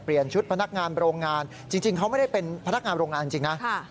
ชุดพนักงานโรงงานจริงเขาไม่ได้เป็นพนักงานโรงงานจริงนะ